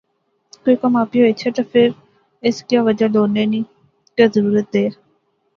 کوئی کم آپی ہوئی اچھے تہ فیر اس کیا وجہ لوڑنے نی کہہ ضرورت دیر